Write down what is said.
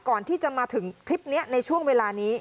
ก่อนที่จะมาถึงคลิปนี้ในช่วงเวลานี้